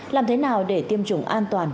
làm thế nào để tiêm chủng an toàn